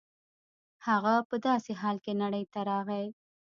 هغه په داسې حال کې نړۍ ته راغی.